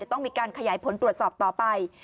ต้องมีการขยายผลตรวจสอบต่อไป